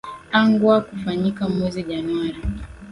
angwa kufanyika mwezi januari